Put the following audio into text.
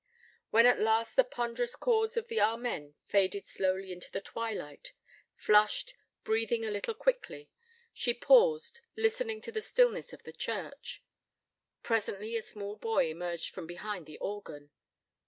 When at last the ponderous chords of the Amen faded slowly into the twilight, flushed, breathing a little quickly, she paused, listening to the stillness of the church. Presently a small boy emerged from behind the organ.